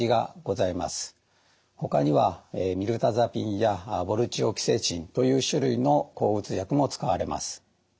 ほかにはミルタザピンやボルチオキセチンという種類の抗うつ薬も使われます。